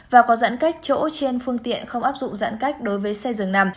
và có giãn cách chỗ trên phương tiện không áp dụng giãn cách đối với xe dường nằm